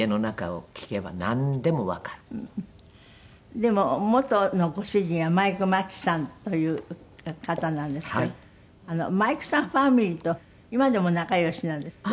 でも元のご主人はマイク眞木さんという方なんですけどマイクさんファミリーと今でも仲良しなんですってね。